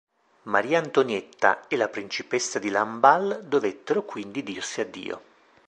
Maria Antonietta e la principessa di Lamballe dovettero quindi dirsi addio.